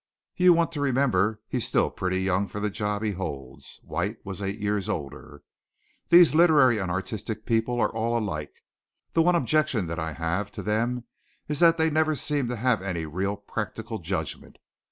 You want to remember that he's still pretty young for the job he holds (White was eight years older). These literary and artistic people are all alike. The one objection that I have to them is that they never seem to have any real practical judgment.